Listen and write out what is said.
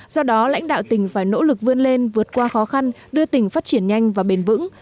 do đó lãnh đạo tỉnh phải nỗ lực vươn lên vượt qua khó khăn đưa tỉnh phát triển nhanh và bền vững